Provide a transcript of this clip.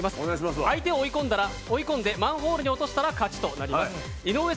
相手を追い込んでマンホールに落としたら勝ちとなります。